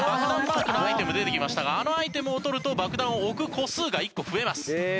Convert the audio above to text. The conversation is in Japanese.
マークのアイテム出てきましたがあのアイテムを取ると爆弾を置く個数が１個増えます。